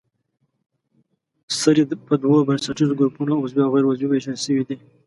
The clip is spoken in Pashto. سرې په دوو بنسټیزو ګروپونو عضوي او غیر عضوي ویشل شوې دي.